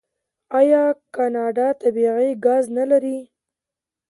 آیا کاناډا طبیعي ګاز نلري؟